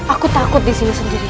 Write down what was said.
aku takut disini sendirian